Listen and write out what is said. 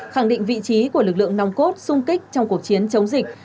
khẳng định vị trí của lực lượng nòng cốt sung kích trong cuộc chiến chống dịch